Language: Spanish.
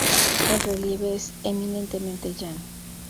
El relieve es eminentemente llano.